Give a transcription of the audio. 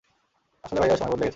আসলে ভাইয়া, সময় বদলে গেছে।